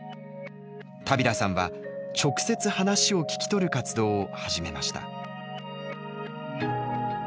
田平さんは直接話を聞き取る活動を始めました。